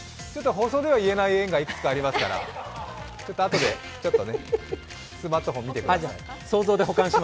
放送では言えない縁がいくつかありますからちょっとあとで、ちょっとスマートフォン見てください。